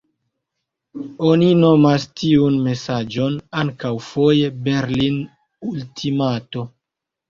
Oni nomas tiun mesaĝon ankaŭ foje Berlin-ultimato.